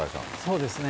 そうですね。